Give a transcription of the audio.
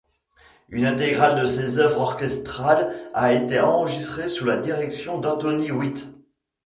Une intégrale de ses œuvres orchestrales a été enregistrée sous la direction d'Antoni Wit.